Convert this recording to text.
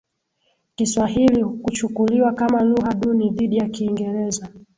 kiswahili kuchukuliwa kama lugha duni dhidi ya kiingereza